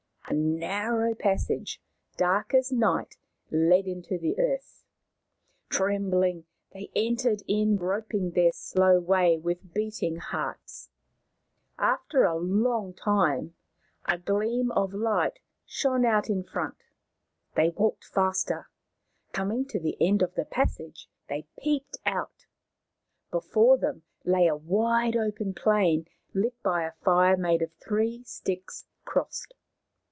A narrow passage, dark as night, led into the earth. Trembling, they entered in, groping their slow way with beating hearts. After a long time a gleam of light shone out in How the Moon was Made 55 front. They walked faster. Coming to the end of the passage, they peeped out. Before them lay a wide open plain, lit by a fire made of three sticks crossed.